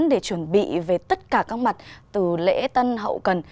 để chuẩn bị về tất cả các mặt từ lễ tân hậu cần